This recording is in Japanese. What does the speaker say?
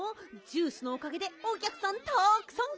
ジュースのおかげでおきゃくさん